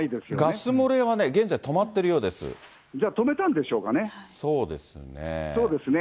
ガス漏れはね、現在、じゃあ、止めたんでしょうかそうですね。